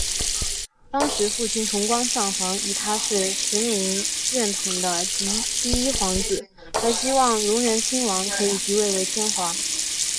当时父亲崇光上皇以他是持明院统的嫡第一皇子而希望荣仁亲王可以即位为天皇。